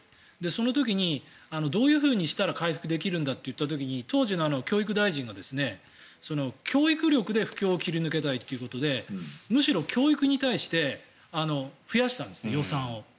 その時に、どういうふうにしたら回復できるんだという時に当時の教育大臣が、教育力で不況を切り抜けたいということでむしろ教育に対して増やしたんです、予算を。